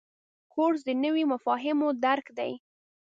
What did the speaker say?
کورس د نویو مفاهیمو درک دی.